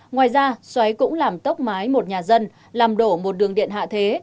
ngoài ra xoáy cũng làm tốc mái một nhà dân làm đổ một đường điện hạ thế